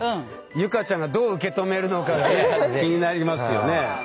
結香ちゃんがどう受け止めるのかがね気になりますよね。